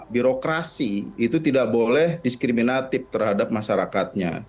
birokrasi itu tidak boleh diskriminatif terhadap masyarakatnya